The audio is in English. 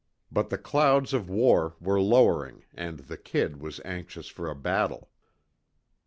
But the clouds of war were lowering, and the "Kid" was anxious for a battle.